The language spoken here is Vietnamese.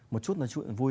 một chút nói chuyện vui